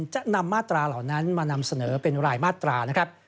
จะนำมาตราเหล่านั้นมานำเสนอเป็นรายมาตรานะครับ